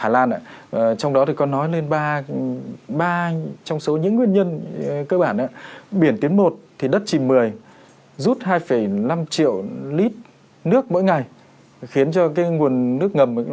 là chúng ta nói đến con số tám mươi năm